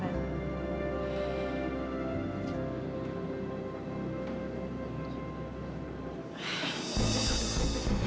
pak schon diri sendiri